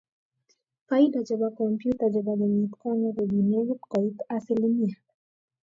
Faida chebo kompyuta chebo kenyit konye ko kii nekit koit asilimia